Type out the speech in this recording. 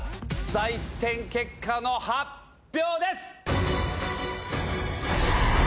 採点結果の発表です！